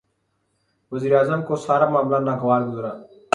وزیر اعظم کو سارا معاملہ ناگوار گزرا۔